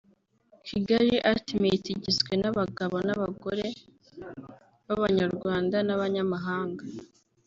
Kigali Ultimate igizwe n’abagabo n’abagore b’Abanyarwanda n’abanyamahanga